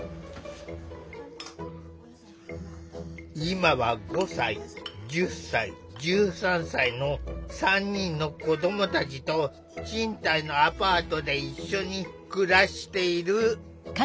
今は５歳１０歳１３歳の３人の子どもたちと賃貸のアパートで一緒に暮らしている。